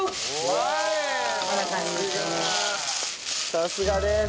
さすがです！